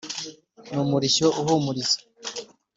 n’ umurishyo uhumuriza,